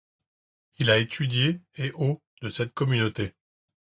Il a étudié et aux de cette communauté.